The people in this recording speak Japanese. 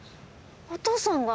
お父さんが？